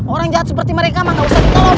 orang jahat seperti mereka mah gak usah ditolong